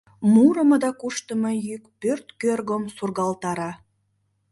Мурымо да куштымо йӱк пӧрт кӧргым сургалтара.